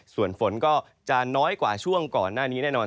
ส่วนฝนก็จะน้อยกว่าช่วงก่อนหน้านี้แน่นอน